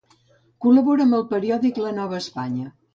Col·labora amb el periòdic La Nova Espanya.